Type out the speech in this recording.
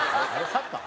サッカー？